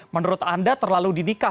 menurut anda terlalu didikah